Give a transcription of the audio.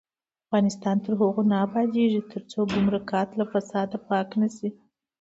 افغانستان تر هغو نه ابادیږي، ترڅو ګمرکات له فساده پاک نشي.